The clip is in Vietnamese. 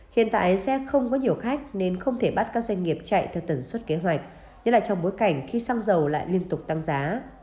hiện tại xe không có nhiều khách nên không thể bắt các doanh nghiệp chạy theo tần suất kế hoạch nhất là trong bối cảnh khi xăng dầu lại liên tục tăng giá